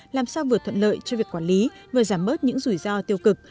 làm sao vừa thuận lợi cho việc quản lý vừa giảm bớt những rủi ro tiêu cực